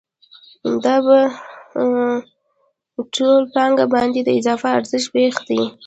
دا په ټوله پانګه باندې د اضافي ارزښت وېش دی